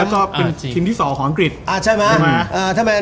แล้วก็เป็นทีมที่๒ของอังกฤษ